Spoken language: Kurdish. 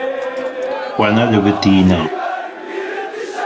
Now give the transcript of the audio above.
Xwe nelebitîne!